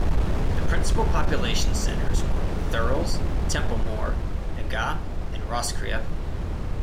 The principle population centres were Thurles, Templemore, Nenagh and Roscrea.